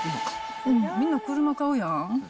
みんな車買うやん？